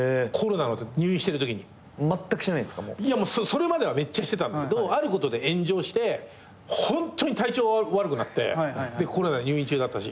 それまではめっちゃしてたけどあることで炎上してホントに体調悪くなってコロナ入院中だったし。